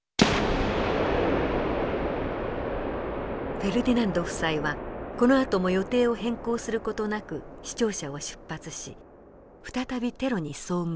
フェルディナンド夫妻はこのあとも予定を変更する事なく市庁舎を出発し再びテロに遭遇。